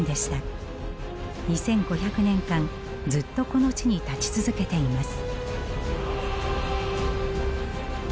２，５００年間ずっとこの地に立ち続けています。